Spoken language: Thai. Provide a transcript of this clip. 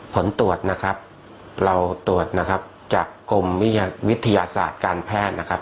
ผลตรวจนะครับเราตรวจนะครับจากกรมวิทยาศาสตร์การแพทย์นะครับ